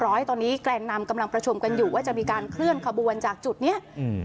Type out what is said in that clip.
ร้อยตอนนี้แกนนำกำลังประชุมกันอยู่ว่าจะมีการเคลื่อนขบวนจากจุดเนี้ยอืม